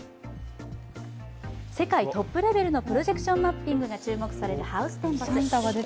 世界トップレベルのプロジェクションマッピングが開催されているハウステンボス。